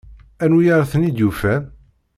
Anwi ay ten-id-yufan?